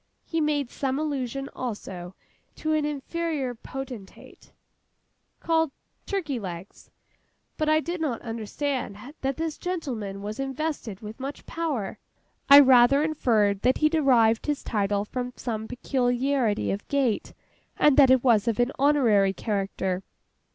He made some allusion, also, to an inferior potentate, called 'Turkey legs;' but I did not understand that this gentleman was invested with much power. I rather inferred that he derived his title from some peculiarity of gait, and that it was of an honorary character.